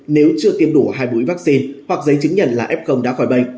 nếu chưa tiêm đủ hai mũi vaccine hoặc giấy chứng nhận là f đã khỏi bệnh